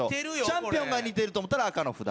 チャンピオンが似てると思ったら赤の札を。